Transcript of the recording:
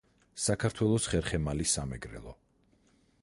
საქართველოს ხერხემალი სამეგრელო.